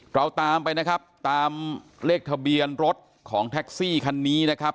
เราตามไปนะครับตามเลขทะเบียนรถของแท็กซี่คันนี้นะครับ